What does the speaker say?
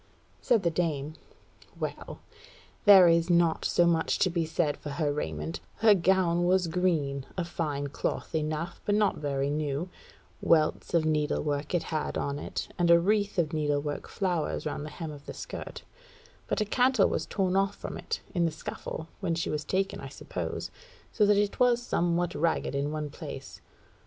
Said the dame: "Well, there is naught so much to be said for her raiment: her gown was green, of fine cloth enough; but not very new: welts of needle work it had on it, and a wreath of needle work flowers round the hem of the skirt; but a cantle was torn off from it; in the scuffle when she was taken, I suppose, so that it was somewhat ragged in one place.